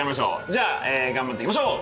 じゃあ頑張っていきましょう！